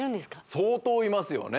相当いますよね